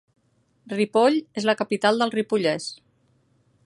Ripoll és la capital del Ripollès.